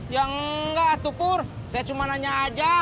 ya enggak atuh pur saya cuma nanya aja